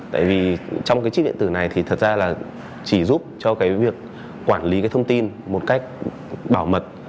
tại vì trong cái chip điện tử này thì thật ra là chỉ giúp cho cái việc quản lý cái thông tin một cách bảo mật